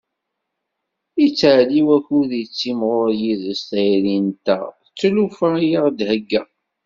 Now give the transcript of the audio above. Yettɛeddi wakud tettimɣur yid-s tayri-nteɣ d tlufa i aɣ-d-thegga.